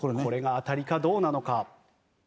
これが当たりかどうなのか？